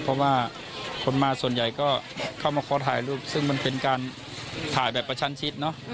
เพราะว่าคนมาส่วนใหญ่ก็เข้ามาขอถ่ายรูปซึ่งมันเป็นการถ่ายแบบประชันชิดเนอะ